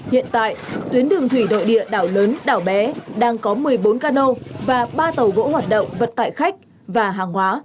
hiện tại tuyến đường thủy nội địa đảo lớn đảo bé đang có một mươi bốn cano và ba tàu gỗ hoạt động vận tải khách và hàng hóa